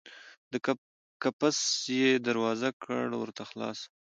د قفس یې دروازه کړه ورته خلاصه